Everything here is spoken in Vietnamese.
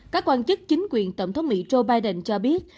các quan chức chính quyền tổng thống mỹ joe biden cho biết